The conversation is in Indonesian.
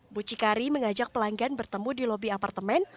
mucikari mengajak pelanggan bertemu di lobi apartemen